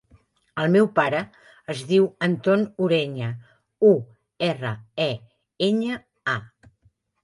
El meu pare es diu Anton Ureña: u, erra, e, enya, a.